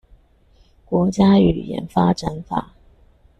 國家語言發展法